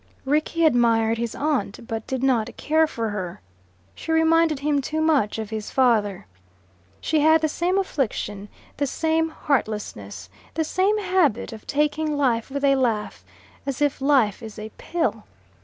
Rickie admired his aunt, but did not care for her. She reminded him too much of his father. She had the same affliction, the same heartlessness, the same habit of taking life with a laugh as if life is a pill!